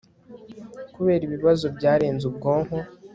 kubera ibibazo byarenze ubwonko